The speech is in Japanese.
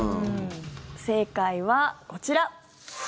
正解はこちら。